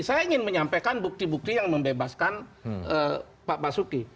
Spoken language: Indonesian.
saya ingin menyampaikan bukti bukti yang membebaskan pak basuki